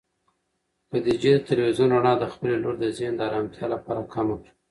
خدیجې د تلویزون رڼا د خپلې لور د ذهن د ارامتیا لپاره کمه کړه.